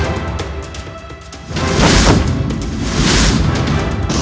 untuk mengalahkan garis ini